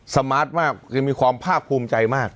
สมาร์ทมากคือมีความภาคภูมิใจมาก